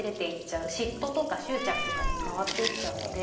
嫉妬とか執着とかに変わっていっちゃうので。